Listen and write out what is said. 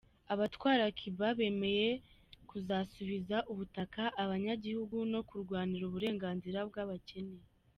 Abatwara Cuba bemeye kuzosubiza ubutaka abanyagihugu no kurwanira uburenganzira bw'abakene.